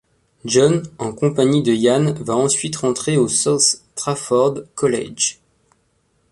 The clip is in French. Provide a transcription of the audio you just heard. John, en compagnie de Ian va ensuite rentrer au South Traford college.